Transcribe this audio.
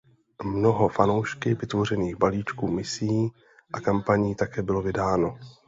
Mnoho fanoušky vytvořených balíčků misí a kampaní také bylo vydáno.